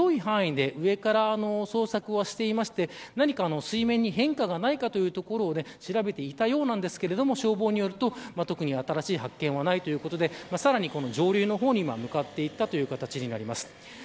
この辺り、広い範囲で上から捜索はしていまして水面に変化がないかということを調べていたようなんですが消防によると、特に新しい発見はないということでさらに上流の方に向かっていったという形になります。